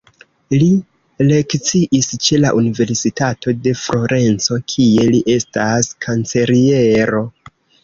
Li lekciis ĉe la Universitato de Florenco, kie li estas kanceliero.